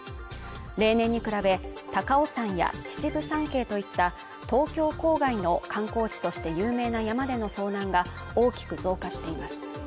例年に比べ高尾山や秩父山系といった東京郊外の観光地として有名な山での遭難が大きく増加しています。